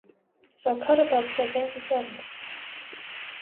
Զաքարը բարձրաձայն ծիծաղեց: